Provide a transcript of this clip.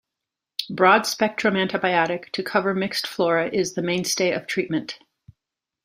Broadspectrum antibiotic to cover mixed flora is the mainstay of treatment.